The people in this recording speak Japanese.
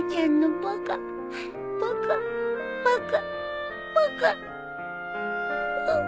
バカバカバカ